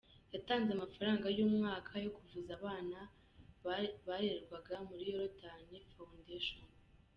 Yatanze amafaranga y’umwaka yo kuvuza abana barererwa muri yorodani Fawundeshoni.